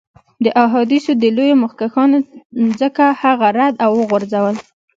د احادیثو دې لویو مخکښانو ځکه هغه رد او وغورځول.